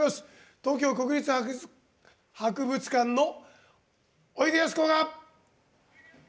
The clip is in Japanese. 東京国立博物館のおいでやすこが。